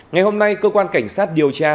ngày hôm nay cơ quan cảnh sát điều tra